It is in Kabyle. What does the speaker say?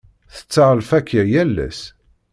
Tetteɣ lfakya yal ass.